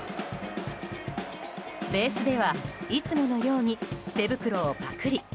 ベースではいつものように手袋をパクリ。